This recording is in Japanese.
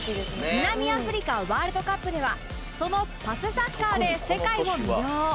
南アフリカワールドカップではそのパスサッカーで世界を魅了